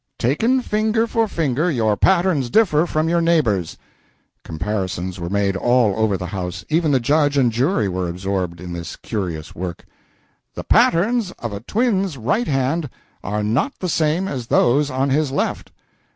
'] Taken finger for finger, your patterns differ from your neighbor's. [Comparisons were made all over the house even the judge and jury were absorbed in this curious work.] The patterns of a twin's right hand are not the same as those on his left.